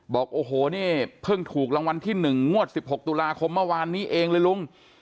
บอกโอ้โหนี่เพิ่งถูกรางวัลที่๑งวด๑๖ตุลาคมเมื่อวานนี้เองเลยลุง